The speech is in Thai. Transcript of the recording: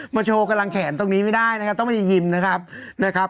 มาโชว์กำลังแขนตรงนี้ไม่ได้นะครับต้องมีฮิมนะครับ